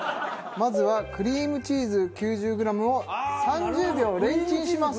まずはクリームチーズ９０グラムを３０秒レンチンします。